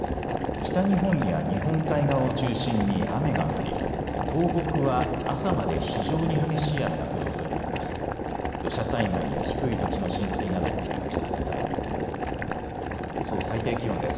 北日本や日本海側を中心に雨が降り東北は朝まで非常に激しい雨が降るおそれがあります。